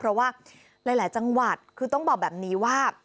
เพราะว่าหลายจังหวัดคือต้องบอกแบบนี้ว่า